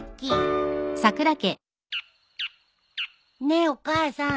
ねえお母さん。